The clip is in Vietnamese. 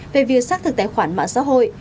về việc xác thực tài khoản mạng xã hội